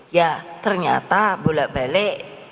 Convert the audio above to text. ya ternyata bolak balik